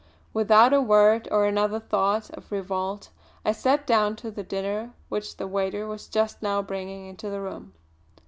Without a word, or another thought, of revolt I sat down to the dinner which the waiter was just now bringing into the room.